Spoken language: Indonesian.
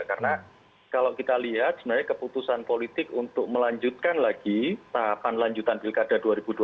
karena kalau kita lihat sebenarnya keputusan politik untuk melanjutkan lagi tahapan lanjutan pilkada dua ribu dua puluh